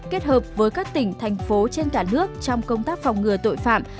kết hợp với các tỉnh thành phố trên cả nước trong công tác phòng ngừa tội phạm